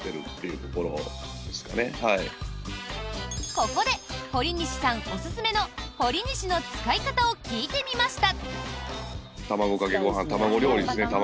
ここで、堀西さんおすすめのほりにしの使い方を聞いてみました。